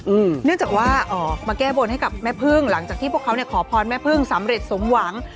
เนื่องจากว่าอ๋อมาแก้บนให้กับแม่พึ่งหลังจากที่พวกเขาเนี่ยขอพรแม่พึ่งสำเร็จสมหวัง